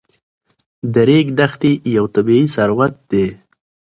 د ریګ دښتې یو طبعي ثروت دی.